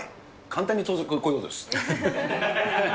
簡単に言うとこういうことです。